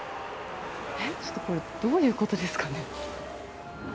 ちょっとこれ、どういうことですかね。